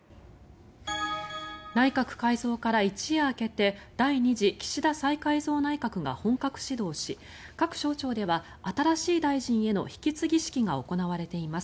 内閣改造から一夜明けて第２次岸田再改造内閣が本格始動し各省庁では新しい大臣への引き継ぎ式が行われています。